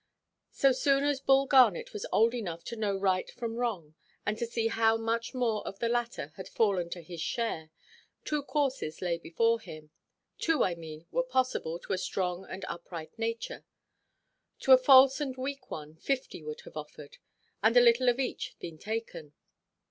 So soon as Bull Garnet was old enough to know right from wrong, and to see how much more of the latter had fallen to his share, two courses lay before him. Two, I mean, were possible to a strong and upright nature; to a false and weak one fifty would have offered, and a little of each been taken.